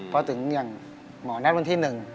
พอถึงอย่างหมอนัดวันที่๑